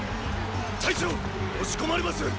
隊長押し込まれます！